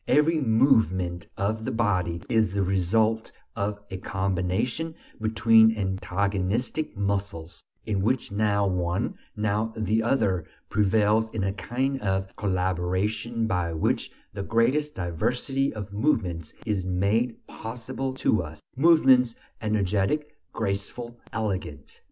Every movement of the body is the result of a combination between antagonistic muscles, in which now one, now the other prevails in a kind of collaboration by which the greatest diversity of movements is made possible to us: movements energetic, graceful, elegant.